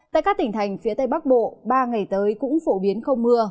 tại các tỉnh thành phía tây bắc bộ ba ngày tới cũng phổ biến không mưa